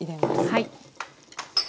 はい。